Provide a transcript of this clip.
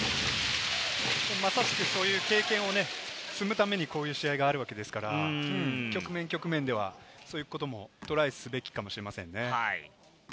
まさしく、そういう経験を積むために、こういう試合があるわけですから、局面局面ではそういうこともトライすべきかもしれませんね。